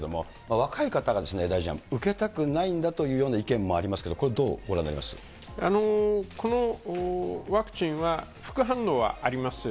若い方が大臣、受けたくないんだというような意見もありますけど、これ、どうごこのワクチンは、副反応はあります。